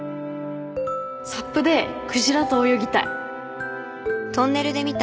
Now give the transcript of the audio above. サップでクジラと泳ぎたい